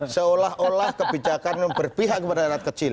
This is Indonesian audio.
seolah olah kebijakan berpihak kepada rakyat kecil